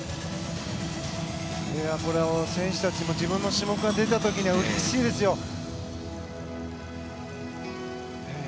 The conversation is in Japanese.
これは選手たちも自分の種目が出た時にはうれしいですよ。